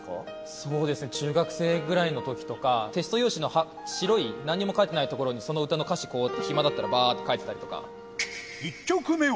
そうですね、中学生ぐらいのときとか、テスト用紙の白い、なんにも書いてない所にその歌の歌詞をこう、暇だったら、ばーっ１曲目は。